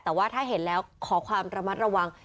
แต่ว่าถ้าเห็นแล้วขอความระมัดระวัง